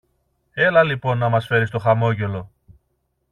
Έλα λοιπόν να μας φέρεις το χαμόγελο!